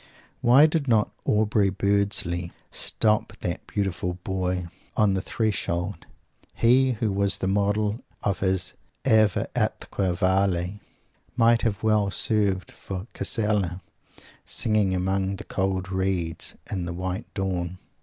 Why did not Aubrey Beardsley stop that beautiful boy on the threshold? He who was the model of his "Ave atque vale!" might have well served for Casella, singing among the cold reeds, in the white dawn.